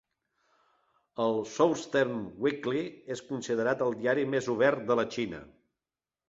El "Southern Weekly" és considerat el diari més obert de la Xina.